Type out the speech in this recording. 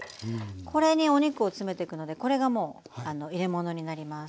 これにお肉を詰めてくのでこれがもう入れ物になります。